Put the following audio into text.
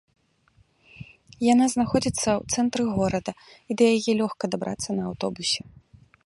Яна знаходзіцца ў цэнтры горада і да яе лёгка дабрацца на аўтобусе.